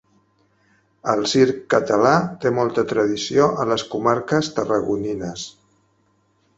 El circ català té molta tradició a les comarques tarragonines.